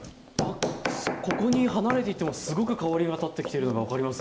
ここに離れていてもすごく香りが立ってきてるのが分かります。